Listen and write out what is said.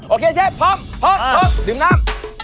โอเคเชฟพร้อมดื่มน้ำ